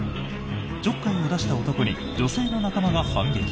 ちょっかいを出した男に女性の仲間が反撃。